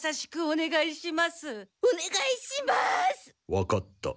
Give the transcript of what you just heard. わかった。